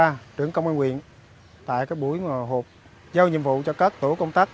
thủ tướng công an huyện tại các buổi hộp giao nhiệm vụ cho các tổ công tác